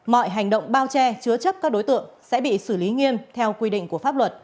mọi hành động bao che chứa chấp các đối tượng sẽ bị xử lý nghiêm theo quy định